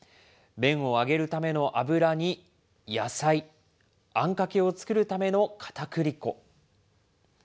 麺を揚げるための油に野菜、あんかけを作るためのかたくり粉。